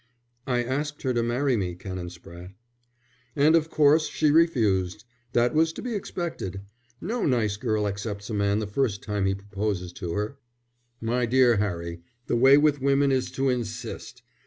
"I asked her to marry me, Canon Spratte." "And of course she refused. That was to be expected. No nice girl accepts a man the first time he proposes to her. My dear Harry, the way with women is to insist.